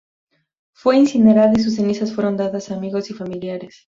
Fue incinerada y sus cenizas fueron dadas a amigos y familiares.